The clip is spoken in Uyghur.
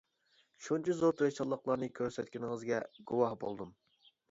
شۇنچە زور تىرىشچانلىقلارنى كۆرسەتكىنىڭىزگە گۇۋاھ بولدۇم.